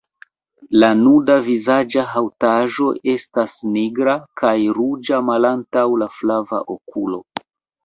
La nuda vizaĝa haŭtaĵo estas nigra, kaj ruĝa malantaŭ la flava okulo.